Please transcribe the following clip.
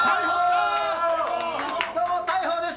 どうも、大鵬です！